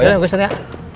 ya udah langsung ya